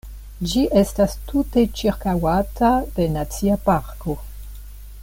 Ĝi estas tute ĉirkaŭata de nacia parko.